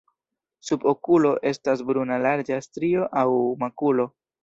Sub okulo estas bruna larĝa strio aŭ makulo.